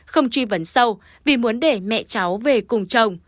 không truy vấn sâu vì muốn để mẹ cháu về cùng chồng